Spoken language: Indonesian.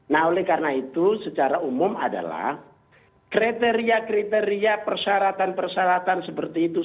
nah oleh karena itu secara umum adalah kriteria kriteria persyaratan persyaratan seperti itu